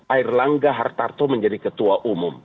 airlangga hartarto menjadi ketua umum